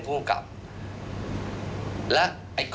ก็ไม่ได้